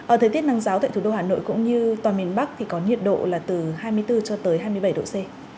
ở thời tiết nắng ráo tại thủ đô hà nội cũng như toàn miền bắc thì có nhiệt độ là từ hai mươi bốn cho tới hai mươi bảy độ c